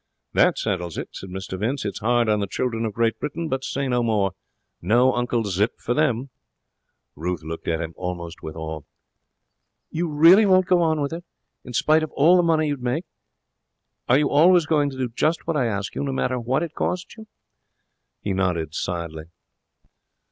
'That settles it,' said Mr Vince. 'It's hard on the children of Great Britain, but say no more. No Uncle Zip for them.' Ruth looked at him, almost with awe. 'You really won't go on with it? In spite of all the money you would make? Are you always going to do just what I ask you, no matter what it costs you?' He nodded sadly.